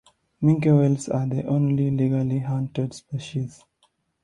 Minke whales are the only legally hunted species.